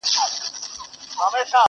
ولي پردۍ مینې ته لېږو د جهاني غزل!.